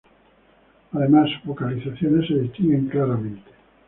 Además, sus vocalizaciones se distinguen claramente.